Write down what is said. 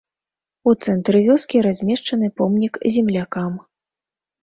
У цэнтры вёскі размешчаны помнік землякам.